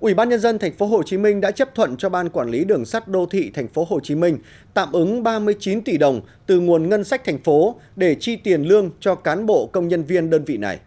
ủy ban nhân dân tp hcm đã chấp thuận cho ban quản lý đường sắt đô thị tp hcm tạm ứng ba mươi chín tỷ đồng từ nguồn ngân sách thành phố để chi tiền lương cho cán bộ công nhân viên đơn vị này